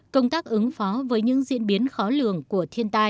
công tác ứng phó với những diễn biến khó lường của thiên tai